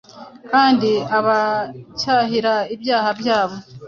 kandi abacyahira ibyaha byabo.